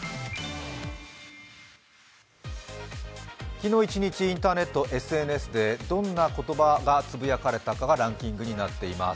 昨日一日インターネット、ＳＮＳでどんな言葉がつぶやかれたかがランキングになっています。